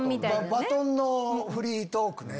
バトンのフリートークね。